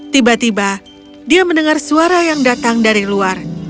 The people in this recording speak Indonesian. tiba tiba dia mendengar suara yang datang dari luar